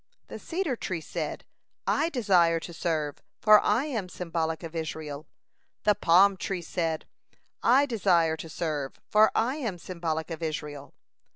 The cedar tree said: "I desire to serve, for I am symbolic of Israel." The palm tree said: "I desire to serve, for I am symbolic of Israel."